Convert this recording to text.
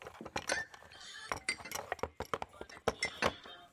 Její hudební styl bývá označován jako symfonický rock.